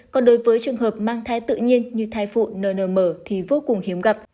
còn đối với trường hợp mang thai tự nhiên như thai phụ nnm thì vô cùng hiếm gặp